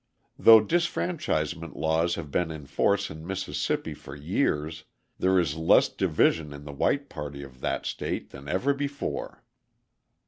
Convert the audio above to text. Though disfranchisement laws have been in force in Mississippi for years there is less division in the white party of that state than ever before.